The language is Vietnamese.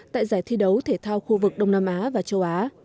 tại giải thi đấu thể thao khu vực đông nam á và châu á